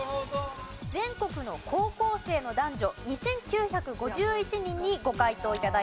全国の高校生の男女２９５１人にご回答頂いたそうです。